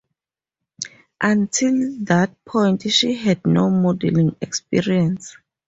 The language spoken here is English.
Until that point she had no modelling experience.